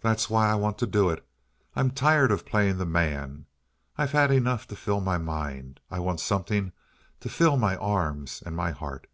"That's why I want to do it. I'm tired of playing the man. I've had enough to fill my mind. I want something to fill my arms and my heart."